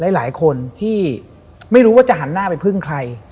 หลายคนที่ไม่รู้ว่าจะหันหน้าไปพึ่งใคร